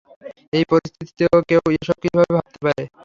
এই পরিস্থিতিতেও কেউ এসব কীভাবে ভাবতে পারে।